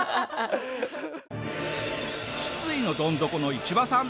失意のどん底のイチバさん。